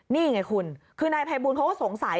นี่ไงคุณคือนายภัยบูลเขาก็สงสัย